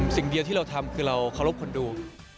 สิ่งเดียวที่เราทำคือเราเคารพคนดู